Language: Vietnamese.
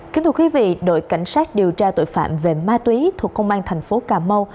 kính thưa quý vị đội cảnh sát điều tra tội phạm về ma túy thuộc công an thành phố cà mau